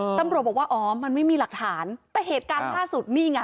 ตำรวจบอกว่าอ๋อมันไม่มีหลักฐานแต่เหตุการณ์ล่าสุดนี่ไง